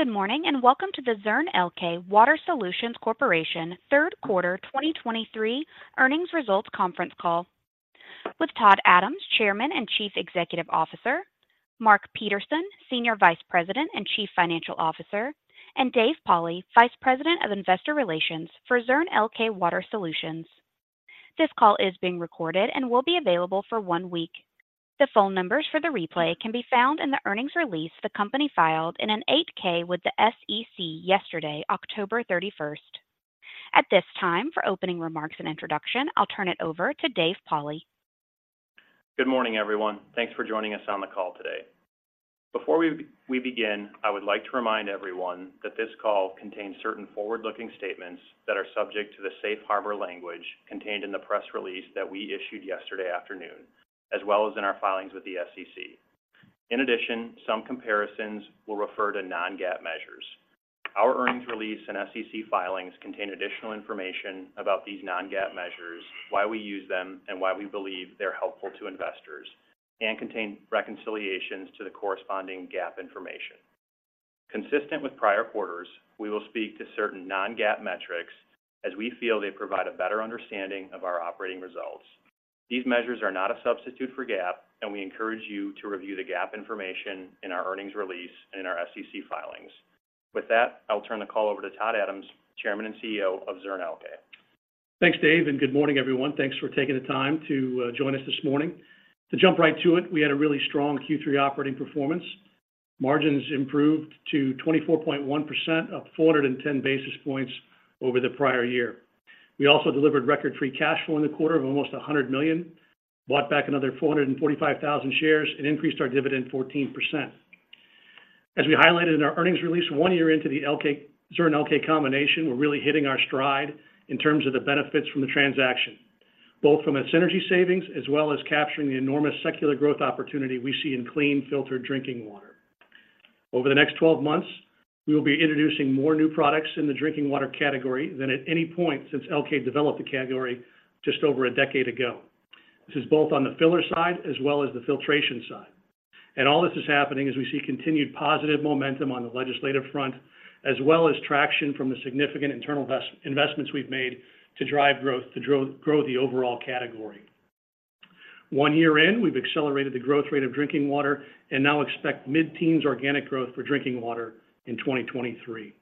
Good morning, and welcome to the Zurn Elkay Water Solutions Corporation third quarter 2023 earnings results conference call with Todd Adams, Chairman and Chief Executive Officer, Mark Peterson, Senior Vice President and Chief Financial Officer, and Dave Pauli, Vice President of Investor Relations for Zurn Elkay Water Solutions. This call is being recorded and will be available for one week. The phone numbers for the replay can be found in the earnings release the company filed in an 8-K with the SEC yesterday, October thirty-first. At this time, for opening remarks and introduction, I'll turn it over to Dave Pauli. Good morning, everyone. Thanks for joining us on the call today. Before we begin, I would like to remind everyone that this call contains certain forward-looking statements that are subject to the safe harbor language contained in the press release that we issued yesterday afternoon, as well as in our filings with the SEC. In addition, some comparisons will refer to non-GAAP measures. Our earnings release and SEC filings contain additional information about these non-GAAP measures, why we use them, and why we believe they're helpful to investors, and contain reconciliations to the corresponding GAAP information. Consistent with prior quarters, we will speak to certain non-GAAP metrics as we feel they provide a better understanding of our operating results. These measures are not a substitute for GAAP, and we encourage you to review the GAAP information in our earnings release and in our SEC filings. With that, I'll turn the call over to Todd Adams, Chairman and CEO of Zurn Elkay. Thanks, Dave, and good morning, everyone. Thanks for taking the time to join us this morning. To jump right to it, we had a really strong Q3 operating performance. Margins improved to 24.1%, up 410 basis points over the prior year. We also delivered record free cash flow in the quarter of almost $100 million, bought back another 445,000 shares, and increased our dividend 14%. As we highlighted in our earnings release, one year into the Elkay--Zurn Elkay combination, we're really hitting our stride in terms of the benefits from the transaction, both from a synergy savings as well as capturing the enormous secular growth opportunity we see in clean, filtered drinking water. Over the next 12 months, we will be introducing more new products in the drinking water category than at any point since Elkay developed the category just over a decade ago. This is both on the filler side as well as the filtration side. All this is happening as we see continued positive momentum on the legislative front, as well as traction from the significant internal investments we've made to drive growth, to grow the overall category. One year in, we've accelerated the growth rate of drinking water and now expect mid-teens organic growth for drinking water in 2023.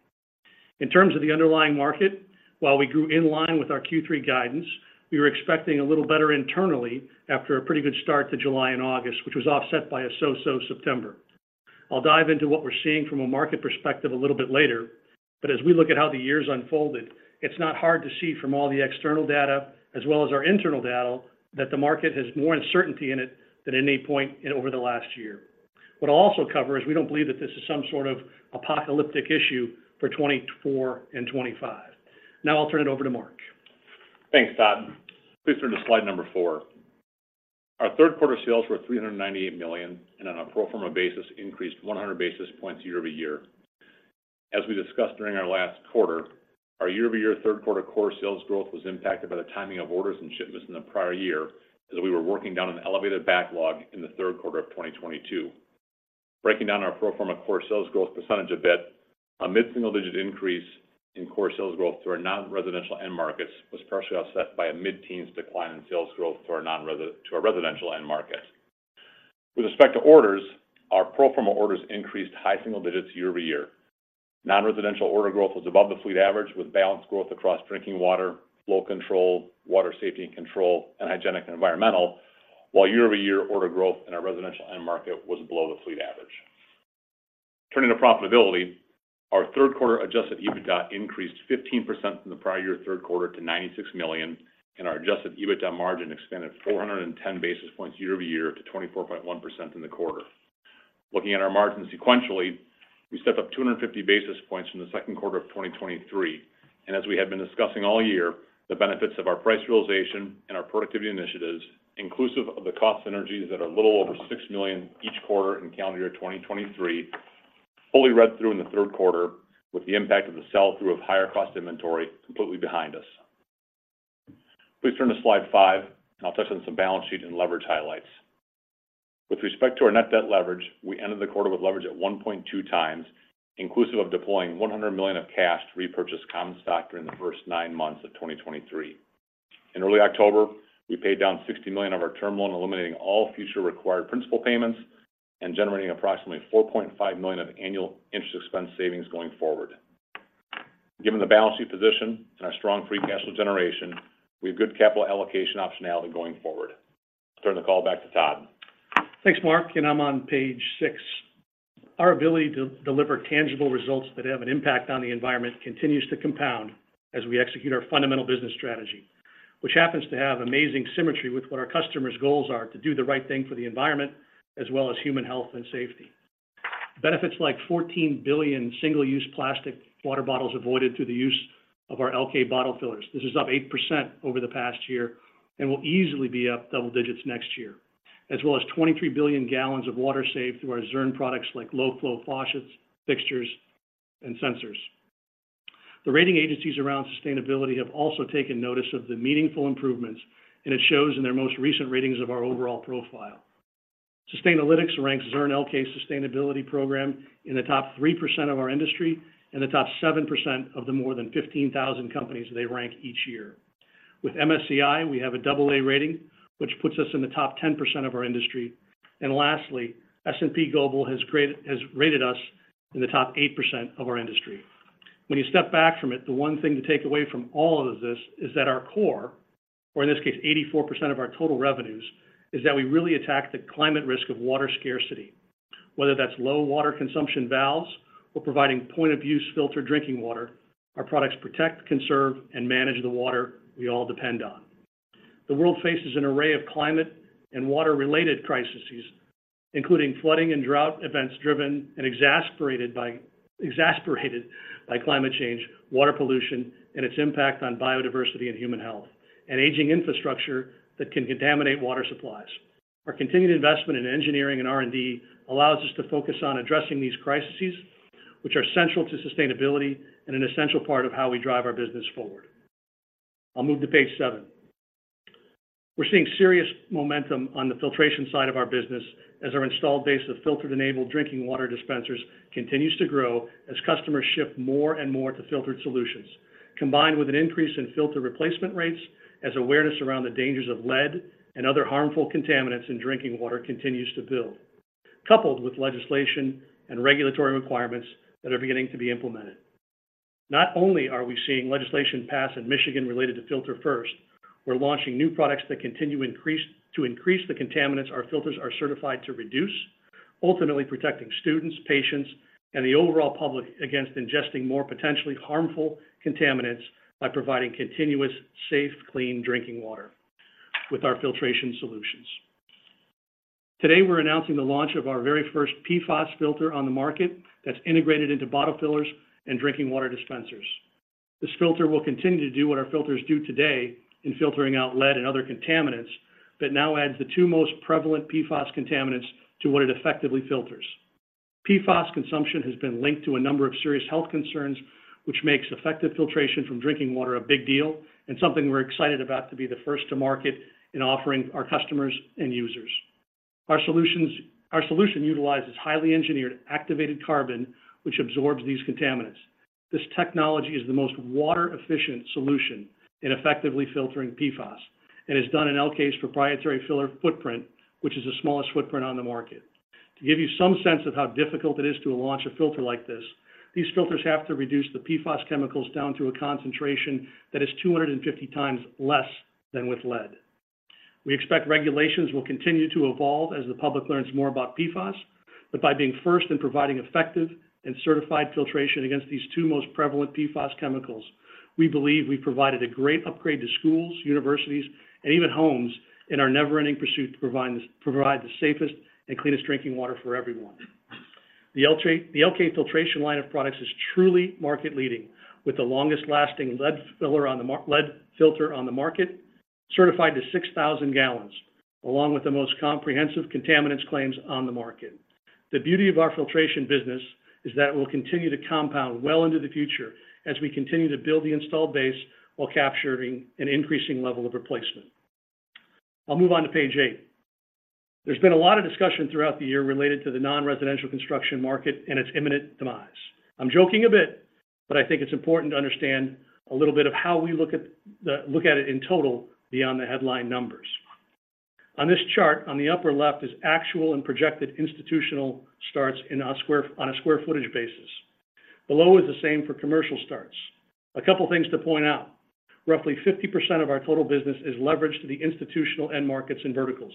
In terms of the underlying market, while we grew in line with our Q3 guidance, we were expecting a little better internally after a pretty good start to July and August, which was offset by a so-so September. I'll dive into what we're seeing from a market perspective a little bit later, but as we look at how the years unfolded, it's not hard to see from all the external data, as well as our internal data, that the market has more uncertainty in it than any point in over the last year. What I'll also cover is we don't believe that this is some sort of apocalyptic issue for 2024 and 2025. Now I'll turn it over to Mark. Thanks, Todd. Please turn to slide 4. Our third quarter sales were $398 million, and on a pro forma basis, increased 100 basis points year-over-year. As we discussed during our last quarter, our year-over-year third quarter core sales growth was impacted by the timing of orders and shipments in the prior year as we were working down an elevated backlog in the third quarter of 2022. Breaking down our pro forma core sales growth percentage a bit, a mid-single-digit increase in core sales growth to our non-residential end markets was partially offset by a mid-teens decline in sales growth to our residential end market. With respect to orders, our pro forma orders increased high single digits year-over-year. Non-residential order growth was above the fleet average, with balanced growth across drinking water, flow control, water safety and control, and hygienic and environmental, while year-over-year order growth in our residential end market was below the fleet average. Turning to profitability, our third quarter Adjusted EBITDA increased 15% from the prior year third quarter to $96 million, and our Adjusted EBITDA margin expanded 410 basis points year-over-year to 24.1% in the quarter. Looking at our margins sequentially, we stepped up 250 basis points from the second quarter of 2023. As we have been discussing all year, the benefits of our price realization and our productivity initiatives, inclusive of the cost synergies that are a little over $6 million each quarter in calendar year 2023, fully read through in the third quarter, with the impact of the sell-through of higher cost inventory completely behind us. Please turn to slide 5, and I'll touch on some balance sheet and leverage highlights. With respect to our net debt leverage, we ended the quarter with leverage at 1.2 times, inclusive of deploying $100 million of cash to repurchase common stock during the first nine months of 2023. In early October, we paid down $60 million of our term loan, eliminating all future required principal payments and generating approximately $4.5 million of annual interest expense savings going forward. Given the balance sheet position and our strong free cash flow generation, we have good capital allocation optionality going forward. I'll turn the call back to Todd. Thanks, Mark, and I'm on page six. Our ability to deliver tangible results that have an impact on the environment continues to compound as we execute our fundamental business strategy, which happens to have amazing symmetry with what our customers' goals are: to do the right thing for the environment as well as human health and safety. Benefits like 14 billion single-use plastic water bottles avoided through the use of our Elkay bottle fillers. This is up 8% over the past year and will easily be up double digits next year, as well as 23 billion gallons of water saved through our Zurn products, like low-flow flushers, fixtures, and sensors. The rating agencies around sustainability have also taken notice of the meaningful improvements, and it shows in their most recent ratings of our overall profile. Sustainalytics ranks Zurn Elkay sustainability program in the top 3% of our industry and the top 7% of the more than 15,000 companies they rank each year. With MSCI, we have a double A rating, which puts us in the top 10% of our industry. And lastly, S&P Global has rated us in the top 8% of our industry. When you step back from it, the one thing to take away from all of this is that our core, or in this case, 84% of our total revenues, is that we really attack the climate risk of water scarcity. Whether that's low water consumption valves or providing point-of-use filtered drinking water, our products protect, conserve, and manage the water we all depend on. The world faces an array of climate and water-related crises, including flooding and drought events driven and exacerbated by climate change, water pollution, and its impact on biodiversity and human health, and aging infrastructure that can contaminate water supplies. Our continued investment in engineering and R&D allows us to focus on addressing these crises, which are central to sustainability and an essential part of how we drive our business forward. I'll move to page seven. We're seeing serious momentum on the filtration side of our business as our installed base of filtered-enabled drinking water dispensers continues to grow as customers shift more and more to filtered solutions, combined with an increase in filter replacement rates, as awareness around the dangers of lead and other harmful contaminants in drinking water continues to build, coupled with legislation and regulatory requirements that are beginning to be implemented. Not only are we seeing legislation pass in Michigan related to Filter First, we're launching new products that continue to increase the contaminants our filters are certified to reduce, ultimately protecting students, patients, and the overall public against ingesting more potentially harmful contaminants by providing continuous, safe, clean drinking water with our filtration solutions. Today, we're announcing the launch of our very first PFAS filter on the market that's integrated into bottle fillers and drinking water dispensers. This filter will continue to do what our filters do today in filtering out lead and other contaminants, but now adds the two most prevalent PFAS contaminants to what it effectively filters. PFAS consumption has been linked to a number of serious health concerns, which makes effective filtration from drinking water a big deal and something we're excited about to be the first to market in offering our customers and users. Our solution utilizes highly engineered activated carbon, which absorbs these contaminants. This technology is the most water-efficient solution in effectively filtering PFAS and is done in Elkay's proprietary filter footprint, which is the smallest footprint on the market. To give you some sense of how difficult it is to launch a filter like this, these filters have to reduce the PFAS chemicals down to a concentration that is 250 times less than with lead. We expect regulations will continue to evolve as the public learns more about PFAS, but by being first in providing effective and certified filtration against these two most prevalent PFAS chemicals, we believe we've provided a great upgrade to schools, universities, and even homes in our never-ending pursuit to provide, provide the safest and cleanest drinking water for everyone. The Elkay, the Elkay filtration line of products is truly market-leading, with the longest lasting lead filter on the market, certified to 6,000 gallons, along with the most comprehensive contaminants claims on the market. The beauty of our filtration business is that it will continue to compound well into the future as we continue to build the installed base while capturing an increasing level of replacement. I'll move on to page 8. There's been a lot of discussion throughout the year related to the non-residential construction market and its imminent demise. I'm joking a bit, but I think it's important to understand a little bit of how we look at it in total beyond the headline numbers. On this chart, on the upper left, is actual and projected institutional starts on a square footage basis. Below is the same for commercial starts. A couple of things to point out. Roughly 50% of our total business is leveraged to the institutional end markets and verticals,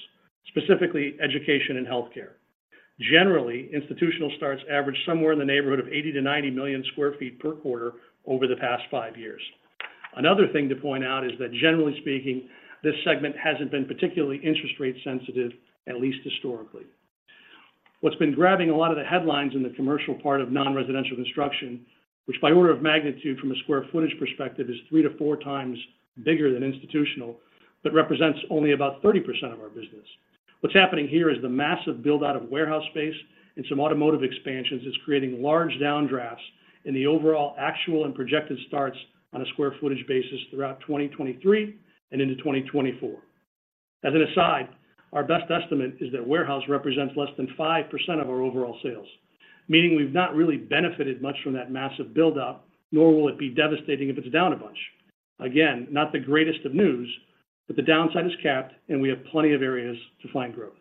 specifically education and healthcare. Generally, institutional starts average somewhere in the neighborhood of 80-90 million sq ft per quarter over the past five years. Another thing to point out is that generally speaking, this segment hasn't been particularly interest rate sensitive, at least historically. What's been grabbing a lot of the headlines in the commercial part of non-residential construction, which by order of magnitude from a square footage perspective, is 3-4 times bigger than institutional, but represents only about 30% of our business. What's happening here is the massive build-out of warehouse space and some automotive expansions is creating large downdrafts in the overall actual and projected starts on a square footage basis throughout 2023 and into 2024. As an aside, our best estimate is that warehouse represents less than 5% of our overall sales, meaning we've not really benefited much from that massive buildup, nor will it be devastating if it's down a bunch. Again, not the greatest of news, but the downside is capped, and we have plenty of areas to find growth.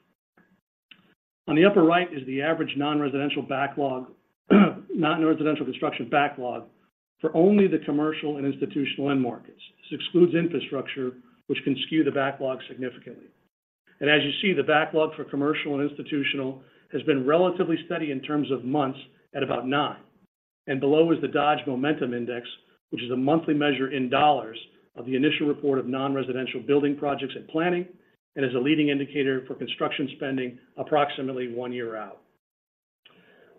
On the upper right is the average non-residential backlog, non-residential construction backlog for only the commercial and institutional end markets. This excludes infrastructure, which can skew the backlog significantly. As you see, the backlog for commercial and institutional has been relatively steady in terms of months at about 9. Below is the Dodge Momentum Index, which is a monthly measure in dollars of the initial report of non-residential building projects and planning, and is a leading indicator for construction spending approximately one year out.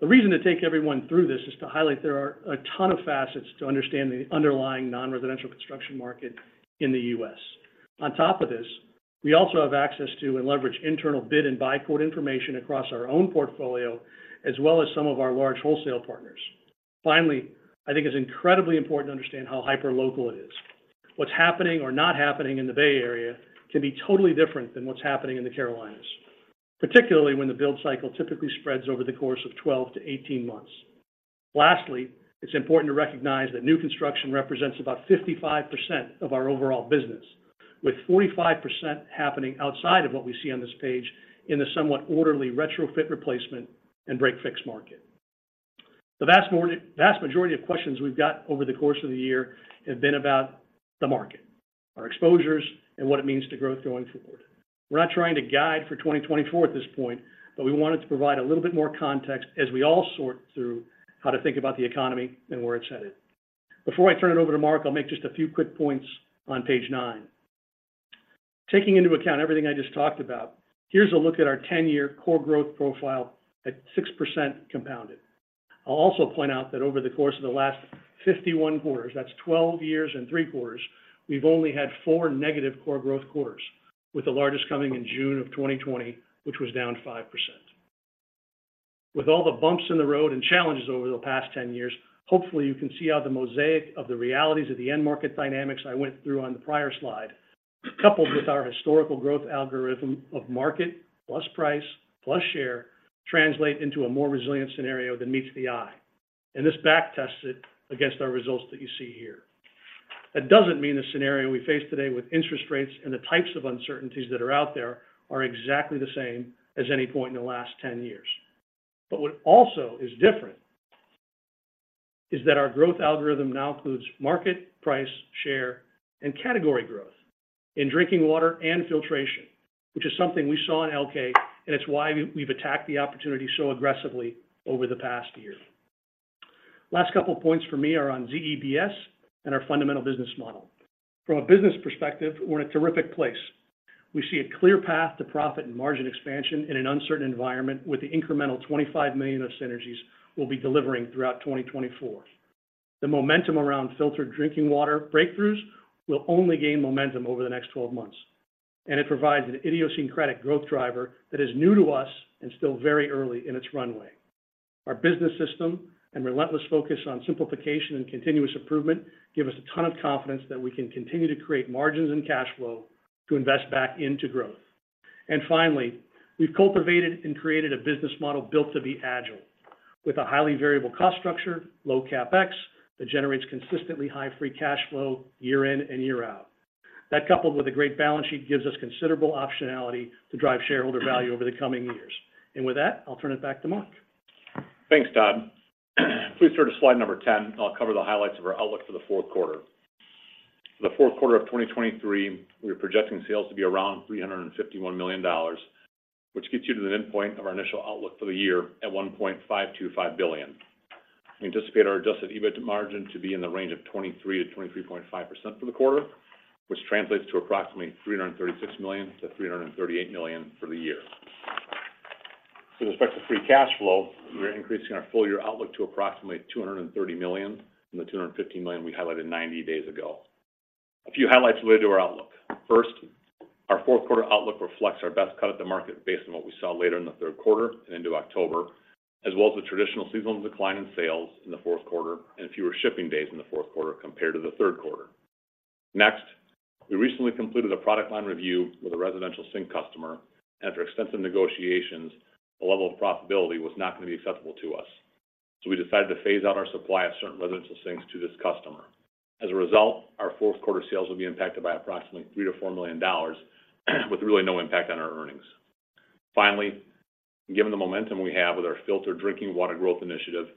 The reason to take everyone through this is to highlight there are a ton of facets to understand the underlying non-residential construction market in the U.S.. On top of this, we also have access to and leverage internal bid and buy quote information across our own portfolio, as well as some of our large wholesale partners. Finally, I think it's incredibly important to understand how hyperlocal it is. What's happening or not happening in the Bay Area can be totally different than what's happening in the Carolinas, particularly when the build cycle typically spreads over the course of 12-18 months. Lastly, it's important to recognize that new construction represents about 55% of our overall business, with 45% happening outside of what we see on this page in the somewhat orderly retrofit replacement and break-fix market. The vast majority of questions we've got over the course of the year have been about the market, our exposures, and what it means to growth going forward. We're not trying to guide for 2024 at this point, but we wanted to provide a little bit more context as we all sort through how to think about the economy and where it's headed. Before I turn it over to Mark, I'll make just a few quick points on page nine. Taking into account everything I just talked about, here's a look at our ten-year core growth profile at 6% compounded. I'll also point out that over the course of the last 51 quarters, that's 12 years and three quarters, we've only had 4 negative core growth quarters, with the largest coming in June of 2020, which was down 5%. With all the bumps in the road and challenges over the past 10 years, hopefully, you can see how the mosaic of the realities of the end market dynamics I went through on the prior slide, coupled with our historical growth algorithm of market plus price, plus share, translate into a more resilient scenario than meets the eye, and this backtested against our results that you see here. That doesn't mean the scenario we face today with interest rates and the types of uncertainties that are out there are exactly the same as any point in the last 10 years. But what also is different is that our growth algorithm now includes market, price, share, and category growth in drinking water and filtration, which is something we saw in Elkay, and it's why we've attacked the opportunity so aggressively over the past year. Last couple of points for me are on ZEBS and our fundamental business model. From a business perspective, we're in a terrific place. We see a clear path to profit and margin expansion in an uncertain environment with the incremental $25 million of synergies we'll be delivering throughout 2024. The momentum around filtered drinking water breakthroughs will only gain momentum over the next 12 months, and it provides an idiosyncratic growth driver that is new to us and still very early in its runway. Our business system and relentless focus on simplification and continuous improvement give us a ton of confidence that we can continue to create margins and cash flow to invest back into growth. And finally, we've cultivated and created a business model built to be agile, with a highly variable cost structure, low CapEx, that generates consistently high free cash flow year in and year out. That, coupled with a great balance sheet, gives us considerable optionality to drive shareholder value over the coming years. And with that, I'll turn it back to Mark. Thanks, Todd. Please turn to slide number 10, and I'll cover the highlights of our outlook for the fourth quarter. For the fourth quarter of 2023, we are projecting sales to be around $351 million, which gets you to the end point of our initial outlook for the year at $1.525 billion. We anticipate our Adjusted EBITDA margin to be in the range of 23%-23.5% for the quarter, which translates to approximately $336 million-$338 million for the year. With respect to free cash flow, we're increasing our full-year outlook to approximately $230 million from the $250 million we highlighted ninety days ago. A few highlights related to our outlook. First, our fourth quarter outlook reflects our best cut at the market based on what we saw later in the third quarter and into October, as well as the traditional seasonal decline in sales in the fourth quarter and fewer shipping days in the fourth quarter compared to the third quarter. Next, we recently concluded a product line review with a residential sink customer, and after extensive negotiations, the level of profitability was not going to be acceptable to us, so we decided to phase out our supply of certain residential sinks to this customer. As a result, our fourth quarter sales will be impacted by approximately $3 million-$4 million, with really no impact on our earnings. Finally, given the momentum we have with our filtered drinking water growth initiative,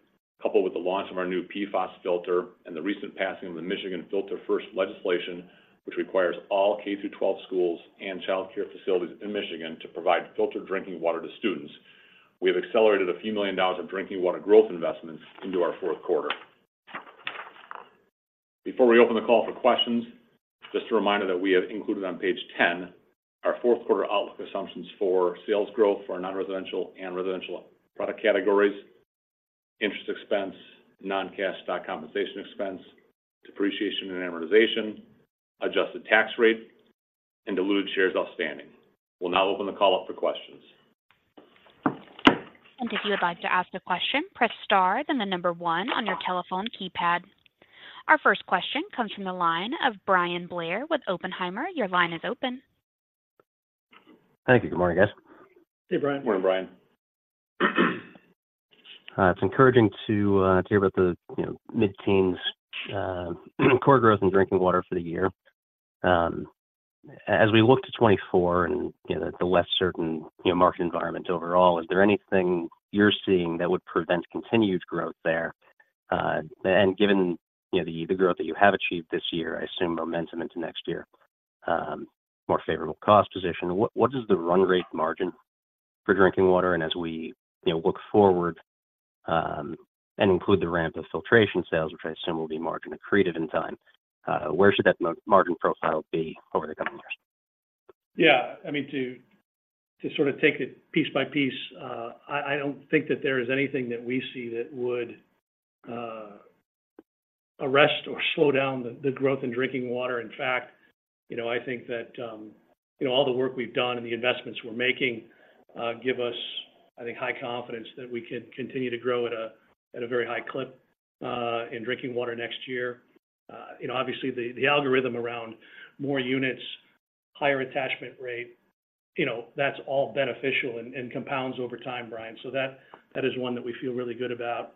coupled with the launch of our new PFAS filter and the recent passing of the Michigan Filter First legislation, which requires all K-12 schools and childcare facilities in Michigan to provide filtered drinking water to students, we have accelerated a few million dollars of drinking water growth investments into our fourth quarter. Before we open the call for questions, just a reminder that we have included on page 10 our fourth quarter outlook assumptions for sales growth for our non-residential and residential product categories, interest expense, non-cash stock compensation expense, depreciation and amortization, adjusted tax rate, and diluted shares outstanding. We'll now open the call up for questions. If you would like to ask a question, press star, then one on your telephone keypad. Our first question comes from the line of Bryan Blair with Oppenheimer. Your line is open. Thank you. Good morning, guys. Hey, Bryan. Good morning, Bryan. It's encouraging to hear about the, you know, mid-teens core growth in drinking water for the year. As we look to 2024 and, you know, the less certain, you know, market environment overall, is there anything you're seeing that would prevent continued growth there? And given, you know, the growth that you have achieved this year, I assume momentum into next year, more favorable cost position. What is the run rate margin for drinking water? And as we, you know, look forward, and include the ramp of filtration sales, which I assume will be margin accretive in time, where should that margin profile be over the coming years? Yeah, I mean, to, to sort of take it piece by piece, I, I don't think that there is anything that we see that would, arrest or slow down the, the growth in drinking water. In fact, you know, I think that, you know, all the work we've done and the investments we're making, give us, I think, high confidence that we can continue to grow at a, at a very high clip, in drinking water next year. You know, obviously, the, the algorithm around more units, higher attachment rate, you know, that's all beneficial and, and compounds over time, Bryan. So that, that is one that we feel really good about.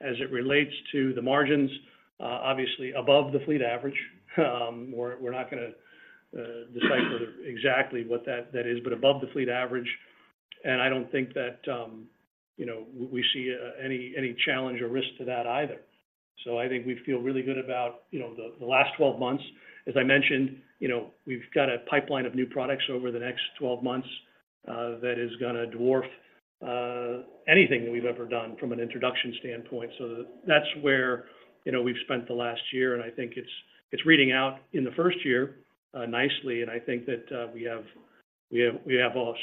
As it relates to the margins, obviously above the fleet average, we're, we're not gonna, decipher exactly what that, that is, but above the fleet average. I don't think that, you know, we see any challenge or risk to that either. So I think we feel really good about, you know, the last 12 months. As I mentioned, you know, we've got a pipeline of new products over the next 12 months that is gonna dwarf anything that we've ever done from an introduction standpoint. So that's where, you know, we've spent the last year, and I think it's reading out in the first year nicely. I think that we have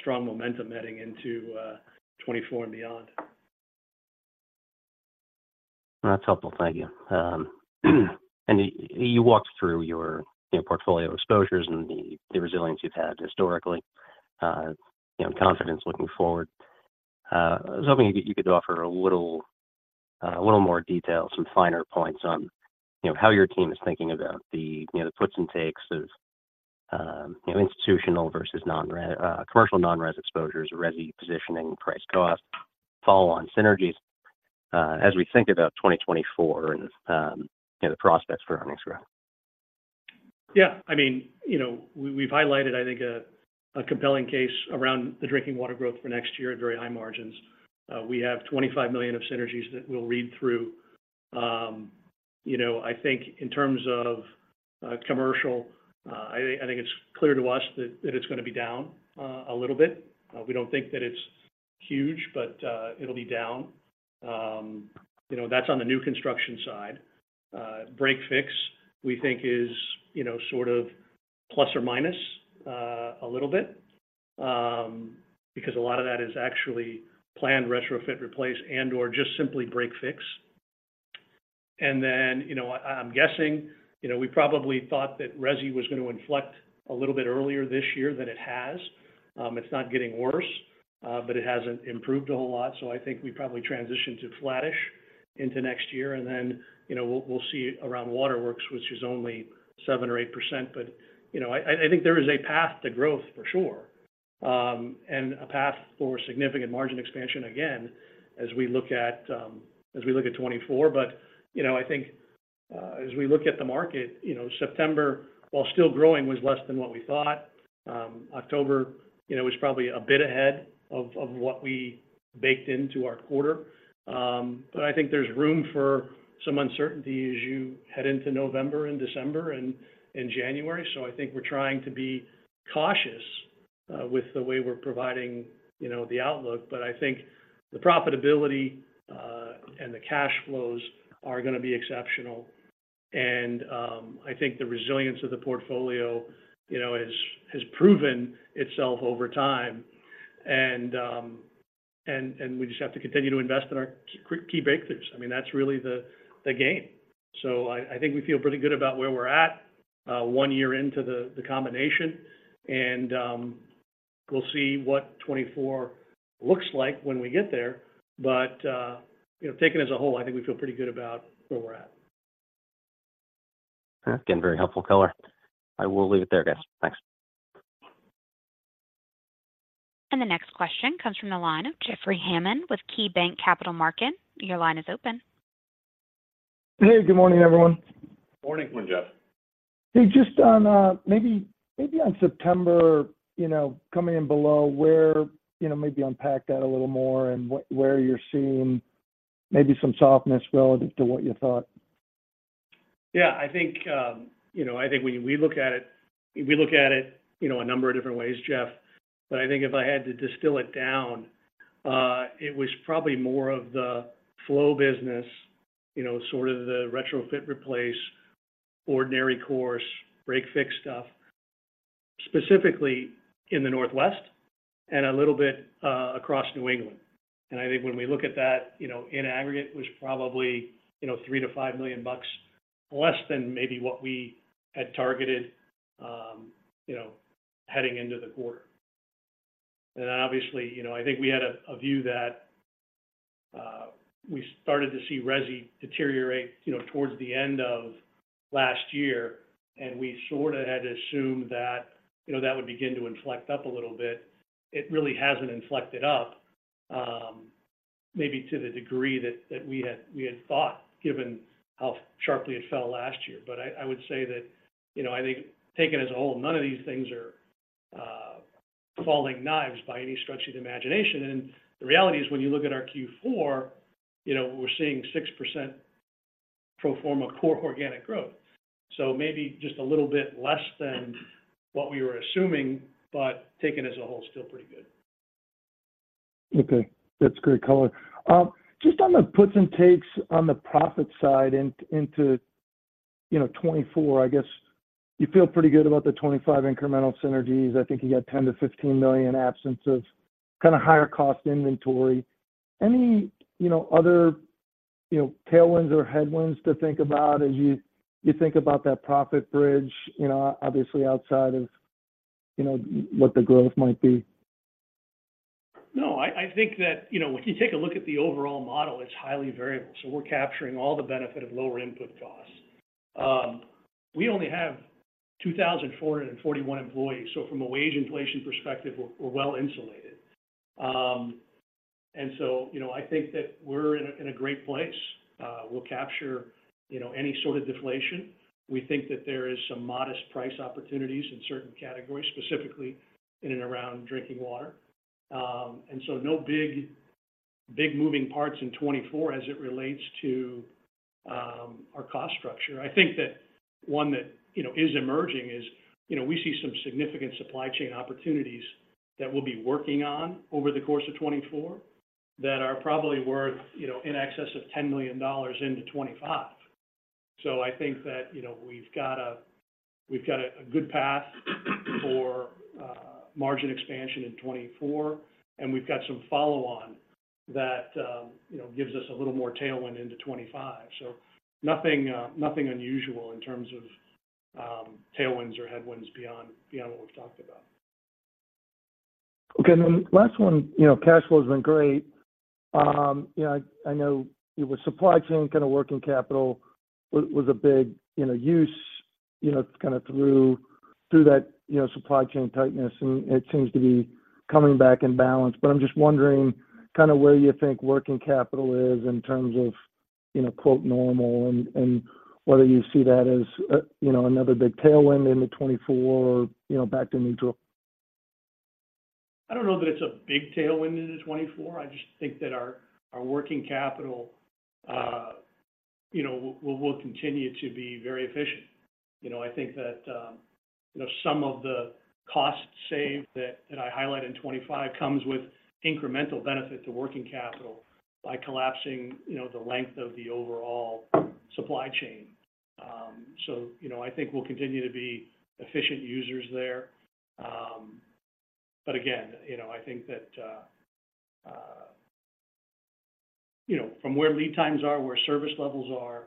strong momentum heading into 2024 and beyond. That's helpful. Thank you. And you walked through your, you know, portfolio exposures and the, the resilience you've had historically, you know, confidence looking forward. I was hoping you could offer a little, a little more detail, some finer points on, you know, how your team is thinking about the, you know, the puts and takes of, you know, institutional versus commercial non-res exposures, resi positioning, price cost, follow on synergies, as we think about 2024 and, you know, the prospects for earnings growth. Yeah. I mean, you know, we've highlighted, I think, a compelling case around the drinking water growth for next year at very high margins. We have $25 million of synergies that we'll read through. You know, I think in terms of commercial, I think it's clear to us that it's gonna be down a little bit. We don't think that it's huge, but it'll be down. You know, that's on the new construction side. Break fix, we think is, you know, sort of plus or minus a little bit, because a lot of that is actually planned retrofit, replace, and/or just simply break fix. And then, you know, I, I'm guessing, you know, we probably thought that resi was gonna inflect a little bit earlier this year than it has. It's not getting worse, but it hasn't improved a whole lot. So I think we probably transitioned to flattish into next year, and then, you know, we'll, we'll see around waterworks, which is only 7% or 8%. But, you know, I, I, I think there is a path to growth for sure, and a path for significant margin expansion, again, as we look at, as we look at 2024. But, you know, I think, as we look at the market, you know, September, while still growing, was less than what we thought. October, you know, was probably a bit ahead of, of what we baked into our quarter. But I think there's room for some uncertainty as you head into November and December and, and January. So I think we're trying to be cautious with the way we're providing, you know, the outlook. But I think the profitability and the cash flows are gonna be exceptional. And I think the resilience of the portfolio, you know, has proven itself over time. And we just have to continue to invest in our key breakthroughs. I mean, that's really the game. So I think we feel pretty good about where we're at, one year into the combination, and we'll see what 2024 looks like when we get there. But you know, taken as a whole, I think we feel pretty good about where we're at. Again, very helpful color. I will leave it there, guys. Thanks. The next question comes from the line of Jeffrey Hammond with KeyBanc Capital Markets. Your line is open. Hey, good morning, everyone. Morning. Morning, Jeff. Hey, just on maybe on September, you know, coming in below where, you know, maybe unpack that a little more and what—where you're seeing maybe some softness relative to what you thought. Yeah, I think, you know, I think when we look at it, we look at it, you know, a number of different ways, Jeff. But I think if I had to distill it down, it was probably more of the flow business, you know, sort of the retrofit, replace, ordinary course, break, fix stuff, specifically in the Northwest and a little bit across New England. And I think when we look at that, you know, in aggregate, it was probably, you know, $3 million-$5 million less than maybe what we had targeted, you know, heading into the quarter. And obviously, you know, I think we had a view that, we started to see resi deteriorate, you know, towards the end of last year, and we sort of had to assume that, you know, that would begin to inflect up a little bit. It really hasn't inflected up, maybe to the degree that, that we had, we had thought, given how sharply it fell last year. But I, I would say that, you know, I think taken as a whole, none of these things are falling knives by any stretch of the imagination. And the reality is, when you look at our Q4, you know, we're seeing 6% pro forma core organic growth. So maybe just a little bit less than what we were assuming, but taken as a whole, still pretty good. Okay, that's great color. Just on the puts and takes on the profit side in, into, you know, 2024, I guess you feel pretty good about the 25 incremental synergies. I think you got $10 million-$15 million absence of kind of higher cost inventory. Any, you know, other, you know, tailwinds or headwinds to think about as you, you think about that profit bridge, you know, obviously outside of, you know, what the growth might be? No, I think that, you know, when you take a look at the overall model, it's highly variable, so we're capturing all the benefit of lower input costs. We only have 2,441 employees, so from a wage inflation perspective, we're well insulated. And so, you know, I think that we're in a great place. We'll capture, you know, any sort of deflation. We think that there is some modest price opportunities in certain categories, specifically in and around drinking water. And so no big, big moving parts in 2024 as it relates to our cost structure. I think that one that, you know, is emerging is, you know, we see some significant supply chain opportunities that we'll be working on over the course of 2024, that are probably worth, you know, in excess of $10 million into 2025. So I think that, you know, we've got a good path for margin expansion in 2024, and we've got some follow-on that, you know, gives us a little more tailwind into 2025. So nothing unusual in terms of tailwinds or headwinds beyond what we've talked about. Okay. And then last one, you know, cash flow has been great. You know, I know it was supply chain, kind of working capital was a big, you know, use, you know, kind of through that supply chain tightness, and it seems to be coming back in balance. But I'm just wondering kind of where you think working capital is in terms of, you know, quote, "normal," and whether you see that as a, you know, another big tailwind into 2024, you know, back to neutral? I don't know that it's a big tailwind into 2024. I just think that our, our working capital, you know, will, will continue to be very efficient. You know, I think that, you know, some of the costs saved that, that I highlight in 2025 comes with incremental benefit to working capital by collapsing, you know, the length of the overall supply chain. So, you know, I think we'll continue to be efficient users there. But again, you know, I think that, you know, from where lead times are, where service levels are,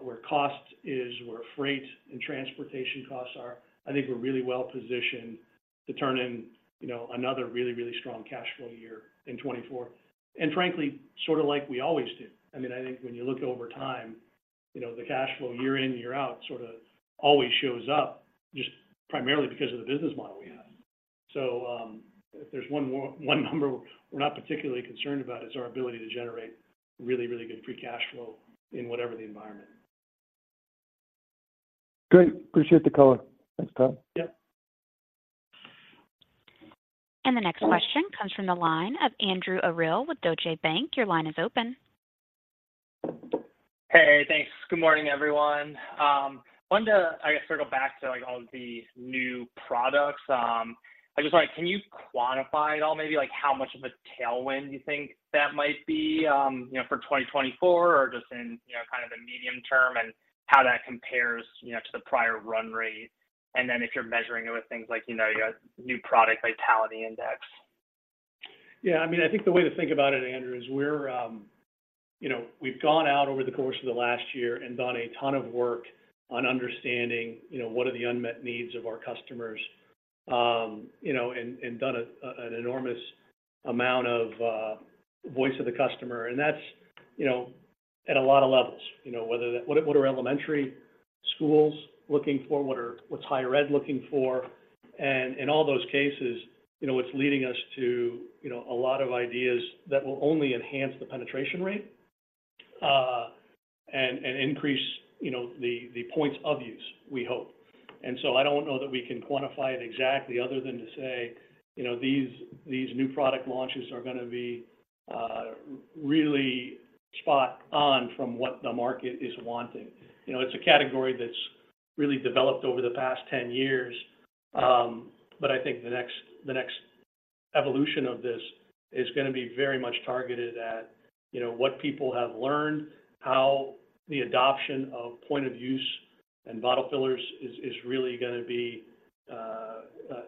where cost is, where freight and transportation costs are, I think we're really well positioned to turn in, you know, another really, really strong cash flow year in 2024. And frankly, sort of like we always do. I mean, I think when you look over time, you know, the cash flow year in, year out, sort of always shows up just primarily because of the business model we have. So, if there's one number we're not particularly concerned about is our ability to generate really, really good free cash flow in whatever the environment. Great. Appreciate the color. Thanks, Todd. Yep. The next question comes from the line of Andrew Krill with Deutsche Bank. Your line is open. Hey, thanks. Good morning, everyone. I wanted to, I guess, circle back to, like, all of the new products. I just want. Can you quantify at all, maybe, like, how much of a tailwind you think that might be, you know, for 2024, or just in, you know, kind of the medium term, and how that compares, you know, to the prior run rate? And then if you're measuring it with things like, you know, you got new product vitality index. Yeah, I mean, I think the way to think about it, Andrew, is we're, you know, we've gone out over the course of the last year and done a ton of work on understanding, you know, what are the unmet needs of our customers, you know, and done an enormous amount of voice of the customer. And that's, you know, at a lot of levels, you know, whether that—what are elementary schools looking for? What is higher ed looking for? And in all those cases, you know, it's leading us to, you know, a lot of ideas that will only enhance the penetration rate, and increase, you know, the points of use, we hope. I don't know that we can quantify it exactly other than to say, you know, these new product launches are gonna be really spot on from what the market is wanting. You know, it's a category that's really developed over the past 10 years, but I think the next evolution of this is gonna be very much targeted at, you know, what people have learned, how the adoption of point of use and bottle fillers is really gonna be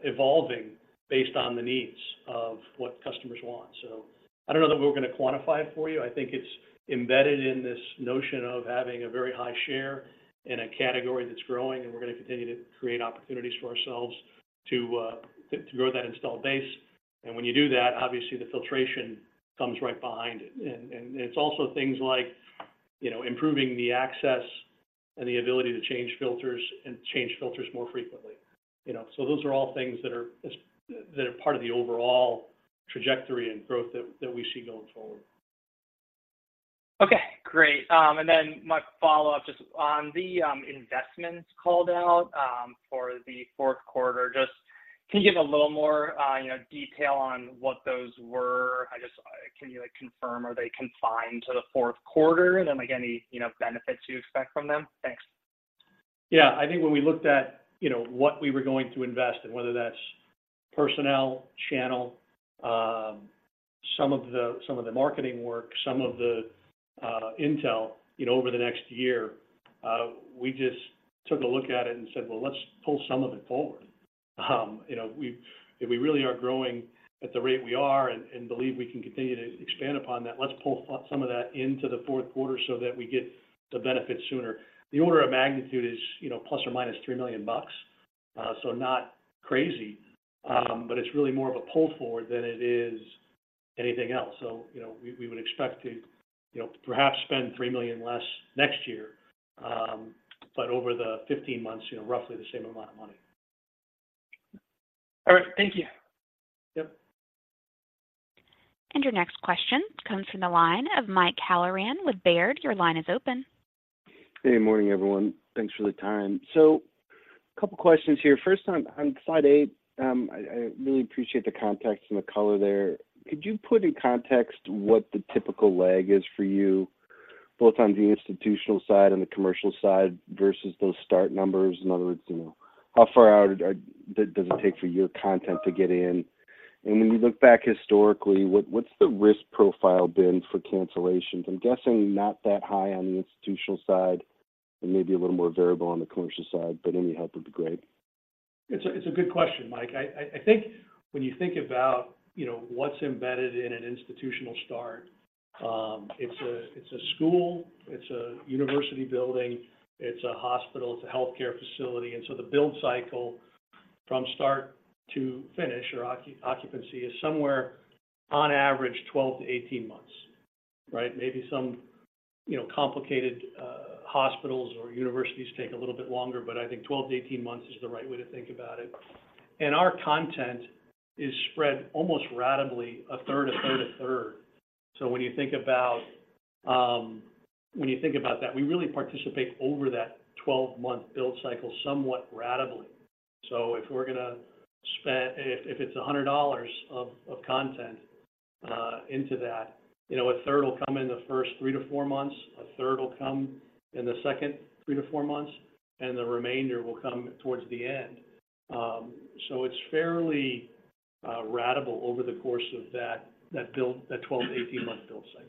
evolving based on the needs of what customers want. So I don't know that we're gonna quantify it for you. I think it's embedded in this notion of having a very high share in a category that's growing, and we're gonna continue to create opportunities for ourselves to grow that installed base. And when you do that, obviously, the filtration comes right behind it. And it's also things like, you know, improving the access and the ability to change filters and change filters more frequently, you know? So those are all things that are part of the overall trajectory and growth that we see going forward. Okay, great. And then my follow-up, just on the investments called out for the fourth quarter, just can you give a little more, you know, detail on what those were? I just. Can you, like, confirm, are they confined to the fourth quarter? And then, like, any, you know, benefits you expect from them? Thanks. Yeah, I think when we looked at, you know, what we were going to invest in, whether that's personnel, channel, some of the marketing work, some of the intel, you know, over the next year, we just took a look at it and said, "Well, let's pull some of it forward." You know, we, if we really are growing at the rate we are and believe we can continue to expand upon that, let's pull some of that into the fourth quarter so that we get the benefits sooner. The order of magnitude is, you know, ±$3 million. So not crazy, but it's really more of a pull forward than it is anything else. So, you know, we would expect to, you know, perhaps spend $3 million less next year, but over the 15 months, you know, roughly the same amount of money. All right. Thank you. Yep. Your next question comes from the line of Mike Halloran with Baird. Your line is open. Good morning, everyone. Thanks for the time. So a couple questions here. First, on slide 8, I really appreciate the context and the color there. Could you put in context what the typical lag is for you, both on the institutional side and the commercial side, versus those start numbers? In other words, you know, how far out does it take for your content to get in? And when you look back historically, what's the risk profile been for cancellations? I'm guessing not that high on the institutional side, and maybe a little more variable on the commercial side, but any help would be great. It's a good question, Mike. I think when you think about, you know, what's embedded in an institutional start, it's a school, it's a university building, it's a hospital, it's a healthcare facility. And so the build cycle from start to finish or occupancy is somewhere, on average, 12-18 months, right? Maybe some, you know, complicated hospitals or universities take a little bit longer, but I think 12-18 months is the right way to think about it. And our content is spread almost ratably, a third, a third, a third. So when you think about that, we really participate over that 12-month build cycle somewhat ratably. So if we're gonna spend—if it's $100 of content into that, you know, a third will come in the first 3-4 months, a third will come in the second 3-4 months, and the remainder will come towards the end. So it's fairly ratable over the course of that build, that 12-18 month build cycle.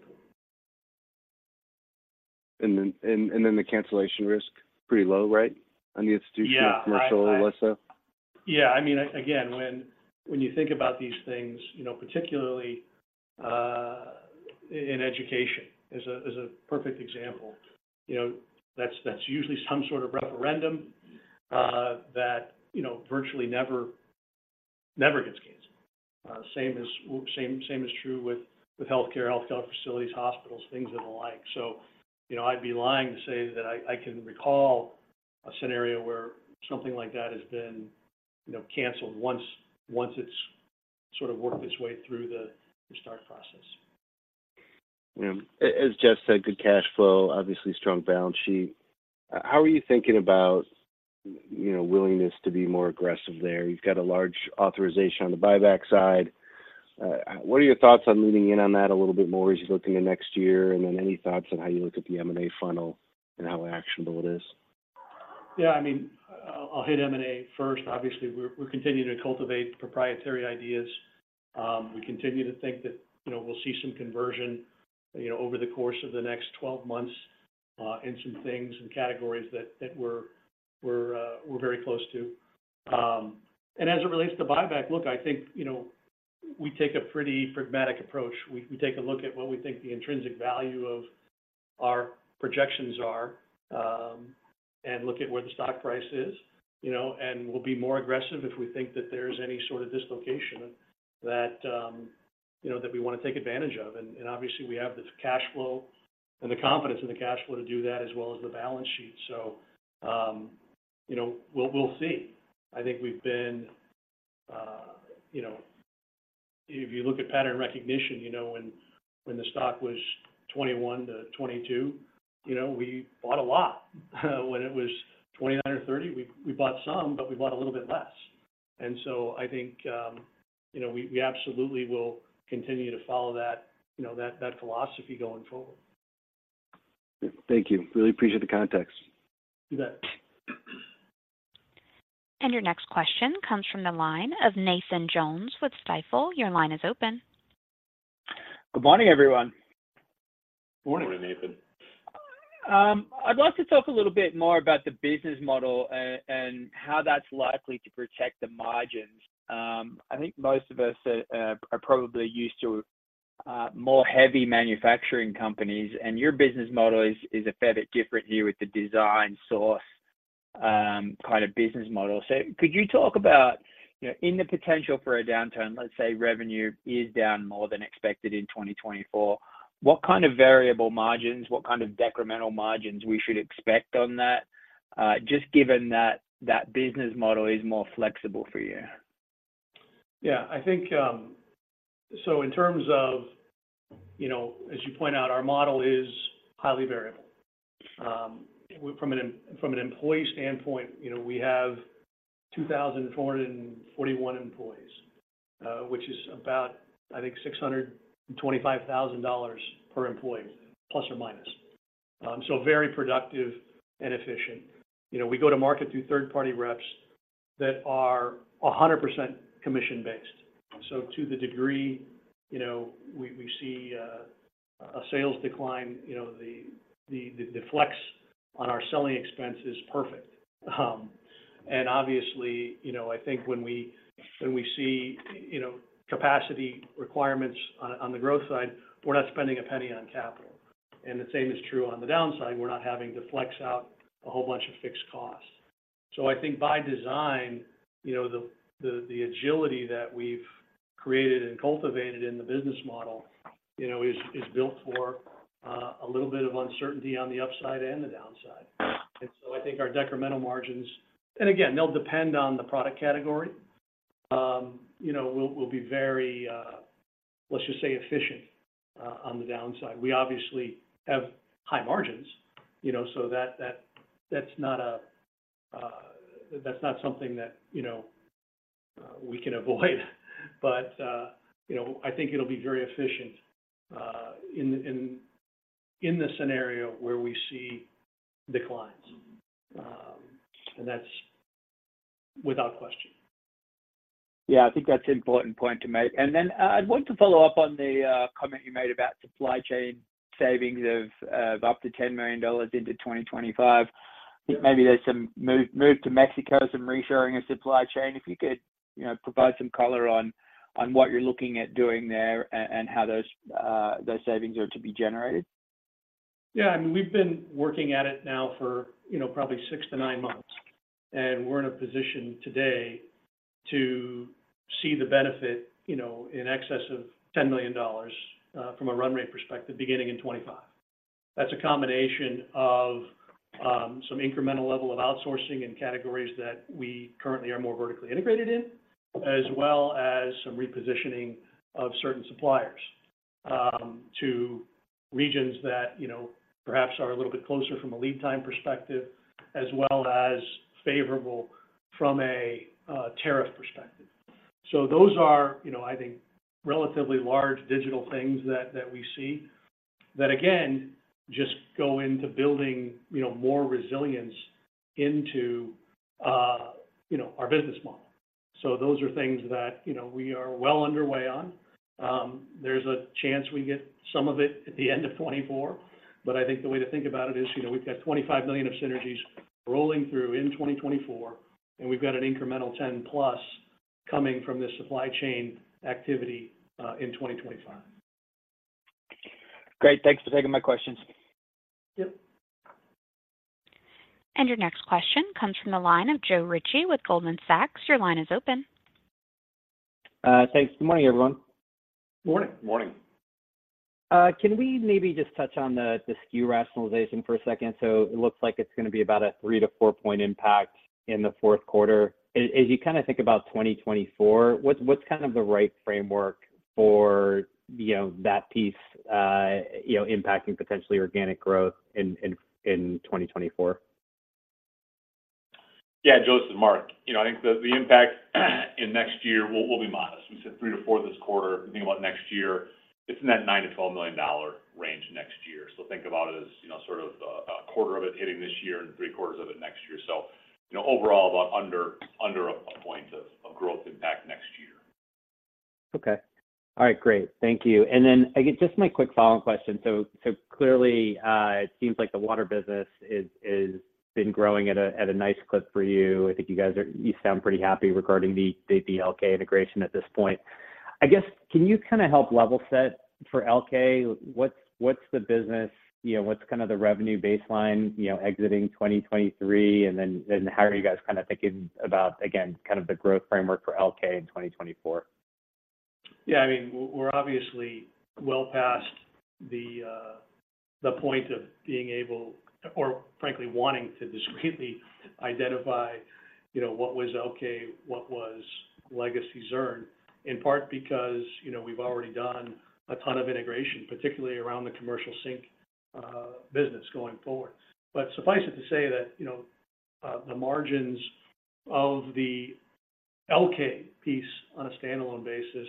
And then the cancellation risk, pretty low, right, on the institutional- Yeah. -commercial, less so? Yeah. I mean, again, when you think about these things, you know, particularly in education is a perfect example, you know, that's usually some sort of referendum that, you know, virtually never gets canceled. Same is true with healthcare facilities, hospitals, things of the like. So, you know, I'd be lying to say that I can recall a scenario where something like that has been, you know, canceled once it's sort of worked its way through the start process. Yeah. As Jeff said, good cash flow, obviously strong balance sheet. How are you thinking about, you know, willingness to be more aggressive there? You've got a large authorization on the buyback side. What are your thoughts on leaning in on that a little bit more as you look to the next year? And then any thoughts on how you look at the M&A funnel and how actionable it is? Yeah, I mean, I'll hit M&A first. Obviously, we're continuing to cultivate proprietary ideas. We continue to think that, you know, we'll see some conversion, you know, over the course of the next 12 months in some things and categories that we're very close to. And as it relates to buyback, look, I think, you know, we take a pretty pragmatic approach. We take a look at what we think the intrinsic value of our projections are, and look at where the stock price is, you know, and we'll be more aggressive if we think that there's any sort of dislocation that, you know, that we want to take advantage of. And obviously, we have the cash flow and the confidence in the cash flow to do that, as well as the balance sheet. So, you know, we'll see. I think we've been—you know, if you look at pattern recognition, you know, when the stock was $21-$22, you know, we bought a lot. When it was $29 or $30, we bought some, but we bought a little bit less. And so I think, you know, we absolutely will continue to follow that, you know, that philosophy going forward. Thank you. Really appreciate the context. You bet. Your next question comes from the line of Nathan Jones with Stifel. Your line is open. Good morning, everyone. Morning. Morning, Nathan. I'd like to talk a little bit more about the business model and, and how that's likely to protect the margins. I think most of us are, are probably used to more heavy manufacturing companies, and your business model is, is a fair bit different here with the design source kind of business model. So could you talk about, you know, in the potential for a downturn, let's say revenue is down more than expected in 2024, what kind of variable margins, what kind of decremental margins we should expect on that, just given that that business model is more flexible for you? Yeah. I think, so in terms of, you know, as you point out, our model is highly variable. From an employee standpoint, you know, we have 2,441 employees, which is about, I think, $625,000 per employee, ±. So very productive and efficient. You know, we go to market through third-party reps that are 100% commission-based. So to the degree, you know, we see a sales decline, you know, the flex on our selling expense is perfect. And obviously, you know, I think when we see, you know, capacity requirements on the growth side, we're not spending a penny on capital. And the same is true on the downside. We're not having to flex out a whole bunch of fixed costs. So I think by design, you know, the agility that we've created and cultivated in the business model, you know, is built for a little bit of uncertainty on the upside and the downside. And so I think our decremental margins, and again, they'll depend on the product category, you know, will be very, let's just say, efficient on the downside. We obviously have high margins, you know, so that's not a... that's not something that, you know, we can avoid. But, you know, I think it'll be very efficient in the scenario where we see declines. And that's without question. Yeah, I think that's an important point to make. And then, I'd want to follow up on the comment you made about supply chain savings of up to $10 million into 2025. I think maybe there's some move to Mexico, some reshoring of supply chain. If you could, you know, provide some color on what you're looking at doing there and how those savings are to be generated. Yeah, I mean, we've been working at it now for, you know, probably 6-9 months, and we're in a position today to see the benefit, you know, in excess of $10 million, from a run rate perspective, beginning in 2025. That's a combination of, some incremental level of outsourcing in categories that we currently are more vertically integrated in, as well as some repositioning of certain suppliers, to regions that, you know, perhaps are a little bit closer from a lead time perspective, as well as favorable from a, tariff perspective. So those are, you know, I think, relatively large digital things that, that we see, that again, just go into building, you know, more resilience into, you know, our business model. So those are things that, you know, we are well underway on. There's a chance we get some of it at the end of 2024, but I think the way to think about it is, you know, we've got $25 million of synergies rolling through in 2024, and we've got an incremental 10+ coming from this supply chain activity in 2025. Great, thanks for taking my questions. Yep. Your next question comes from the line of Joe Ritchie with Goldman Sachs. Your line is open. Thanks. Good morning, everyone. Morning. Morning. Can we maybe just touch on the SKU rationalization for a second? So it looks like it's gonna be about a 3-4 point impact in the fourth quarter. As you kind of think about 2024, what's kind of the right framework for, you know, that piece, you know, impacting potentially organic growth in 2024? Yeah, Joe, this is Mark. You know, I think the impact in next year will be modest. We said $3 million-$4 million this quarter. If you think about next year, it's in that $9 million-$12 million range next year. So think about it as, you know, sort of a quarter of it hitting this year and three quarters of it next year. So, you know, overall, about under a point of growth impact next year. Okay. All right, great. Thank you. And then, I guess, just my quick follow-up question. So, clearly, it seems like the water business has been growing at a nice clip for you. I think you guys are. You sound pretty happy regarding the Elkay integration at this point. I guess, can you kind of help level set for Elkay? What's the business? You know, what's kind of the revenue baseline, you know, exiting 2023? And then, how are you guys kind of thinking about, again, kind of the growth framework for Elkay in 2024? Yeah, I mean, we're obviously well past the point of being able or frankly, wanting to discreetly identify, you know, what was Elkay, what was legacy Zurn. In part because, you know, we've already done a ton of integration, particularly around the commercial sink business going forward. But suffice it to say that, you know, the margins of the Elkay piece on a standalone basis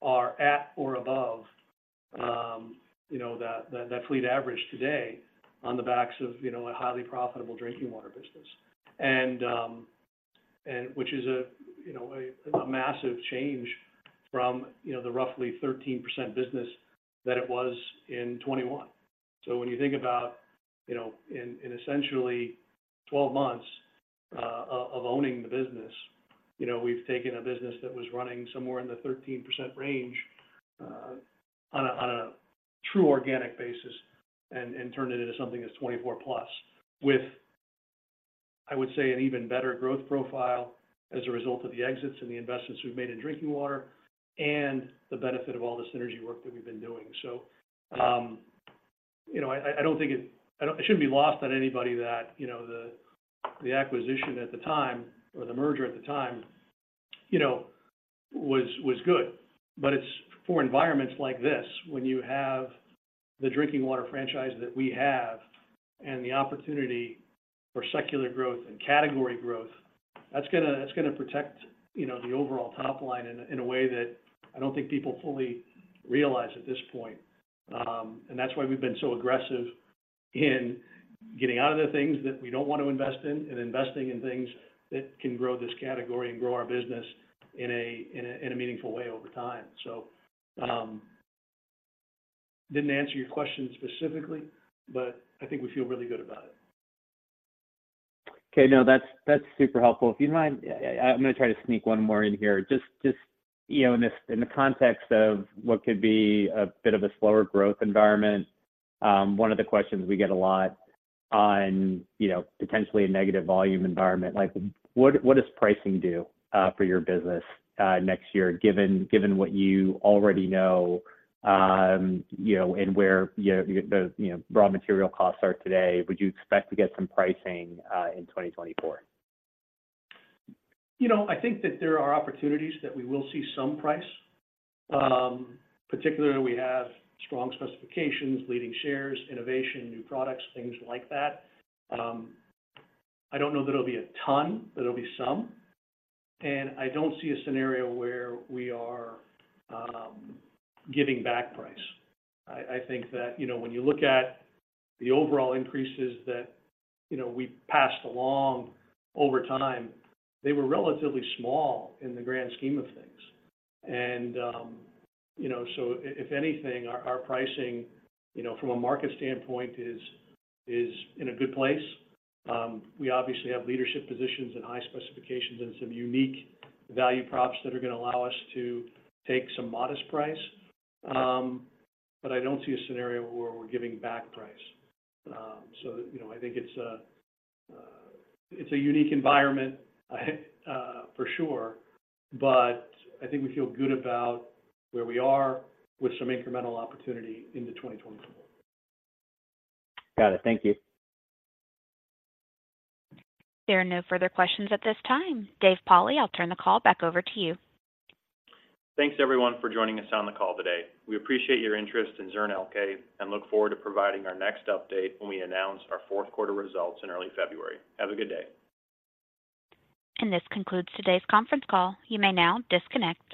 are at or above, you know, that fleet average today on the backs of, you know, a highly profitable drinking water business. And, and which is a, you know, a massive change from, you know, the roughly 13% business that it was in 2021. So when you think about, you know, in essentially 12 months of owning the business, you know, we've taken a business that was running somewhere in the 13% range on a true organic basis and turned it into something that's 24+ with, I would say, an even better growth profile as a result of the exits and the investments we've made in drinking water and the benefit of all the synergy work that we've been doing. So, you know, I don't think it... It shouldn't be lost on anybody that, you know, the acquisition at the time or the merger at the time—you know, was good. But it's for environments like this, when you have the drinking water franchise that we have and the opportunity for secular growth and category growth, that's gonna, that's gonna protect, you know, the overall top line in a, in a way that I don't think people fully realize at this point. And that's why we've been so aggressive in getting out of the things that we don't want to invest in and investing in things that can grow this category and grow our business in a, in a, in a meaningful way over time. So, didn't answer your question specifically, but I think we feel really good about it. Okay. No, that's, that's super helpful. If you mind, I, I'm gonna try to sneak one more in here. Just, just, you know, in the context of what could be a bit of a slower growth environment, one of the questions we get a lot on, you know, potentially a negative volume environment, like what does pricing do for your business next year, given what you already know, you know, and where the raw material costs are today? Would you expect to get some pricing in 2024? You know, I think that there are opportunities that we will see some price. Particularly, we have strong specifications, leading shares, innovation, new products, things like that. I don't know that it'll be a ton, but it'll be some, and I don't see a scenario where we are giving back price. I think that, you know, when you look at the overall increases that, you know, we passed along over time, they were relatively small in the grand scheme of things. You know, so if anything, our pricing, you know, from a market standpoint, is in a good place. We obviously have leadership positions and high specifications and some unique value props that are gonna allow us to take some modest price. But I don't see a scenario where we're giving back price. You know, I think it's a unique environment for sure, but I think we feel good about where we are with some incremental opportunity into 2024. Got it. Thank you. There are no further questions at this time. Dave Pauli, I'll turn the call back over to you. Thanks, everyone, for joining us on the call today. We appreciate your interest in Zurn Elkay and look forward to providing our next update when we announce our fourth quarter results in early February. Have a good day. This concludes today's conference call. You may now disconnect.